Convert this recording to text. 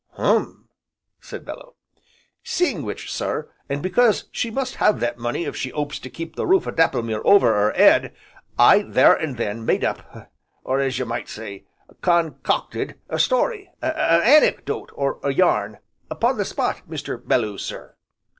"Hum!" said Bellew. "Seeing which, sir, an' because she must have that money if she 'opes to keep the roof of Dapplemere over 'er 'ead, I, there an' then, made up, or as you might say, concocted a story, a anecdote, or a yarn, upon the spot, Mr. Belloo sir."